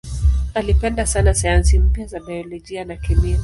Alipenda sana sayansi mpya za biolojia na kemia.